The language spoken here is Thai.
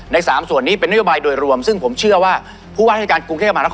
สามส่วนนี้เป็นนโยบายโดยรวมซึ่งผมเชื่อว่าผู้ว่าราชการกรุงเทพมหานคร